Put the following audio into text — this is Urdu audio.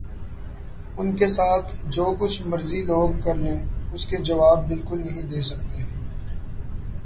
ان کے ساتھ جو کچھ مرضی لوگ کر لیں اس کے جواب بالکل نہیں دے سکتے